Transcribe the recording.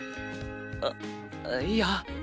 あっいいや。